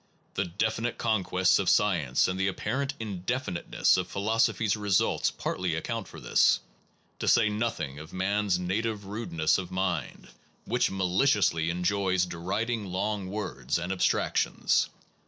The jections definite conquests of science and the apparent indefiniteness of philosophy s results partly account for this; to say nothing of man s native rudeness of mind, which maliciously 8 PHILOSOPHY AND ITS CKITICS enjoys deriding long words and abstractions.